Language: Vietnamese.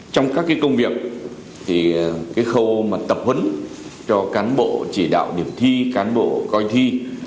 trong các công việc cái khâu tập huấn cho cán bộ chỉ đạo điểm thi cán bộ coi thi